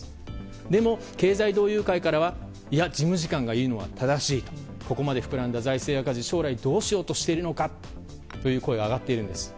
でも、経済同友会からは事務次官が言うのは正しいとこれまで膨らんだ財政赤字をどうしようとしているのかという声が上がっているんです。